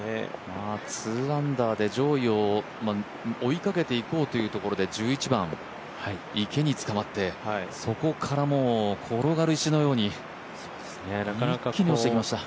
２アンダーで上位を追いかけていこうというところで１１番、池につかまって、そこから転がる石のように一気に落ちていきました。